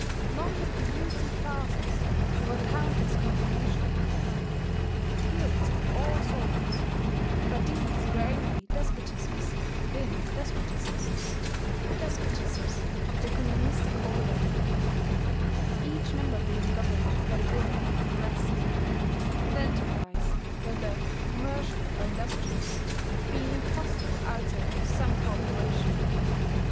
Among the producing classes there were countless combinations guilds of all sorts; but these were only despotisms within despotisms despotisms of the communistic order; each member being governed by the will of the rest; and enterprise, whether commercial or industrial, being impossible outside of some corporation....